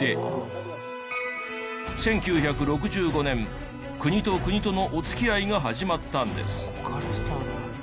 １９６５年国と国とのお付き合いが始まったんです。